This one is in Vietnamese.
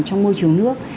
trong môi trường nước